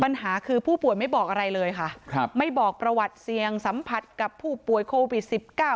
ปัญหาคือผู้ป่วยไม่บอกอะไรเลยค่ะครับไม่บอกประวัติเสี่ยงสัมผัสกับผู้ป่วยโควิดสิบเก้า